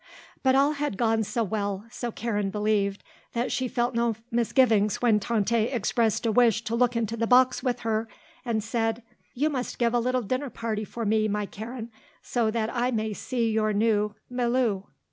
But all had gone so well, so Karen believed, that she felt no misgivings when Tante expressed a wish to look into the box with her and said, "You must give a little dinner party for me, my Karen, so that I may see your new milieu."